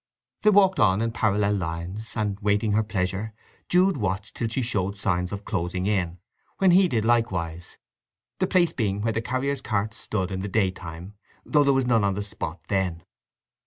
They walked on in parallel lines, and, waiting her pleasure, Jude watched till she showed signs of closing in, when he did likewise, the place being where the carriers' carts stood in the daytime, though there was none on the spot then.